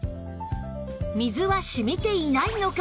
水はしみていないのか？